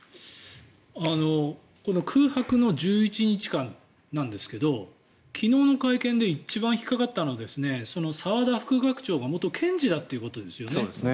空白の１１日間なんですが昨日の会見で一番引っかかったのは澤田副学長が元検事だということですよね。